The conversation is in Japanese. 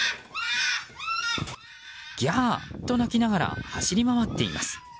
ギャーと鳴きながら走り回っています。